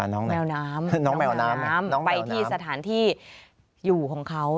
น้องแมวน้ำไปที่สถานที่อยู่ของเขา